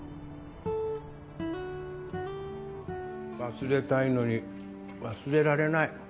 忘れたいのに忘れられない。